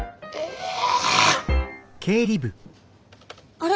あれ？